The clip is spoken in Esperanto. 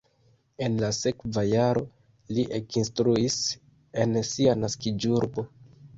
En la sekva jaro li ekinstruis en sia naskiĝurbo.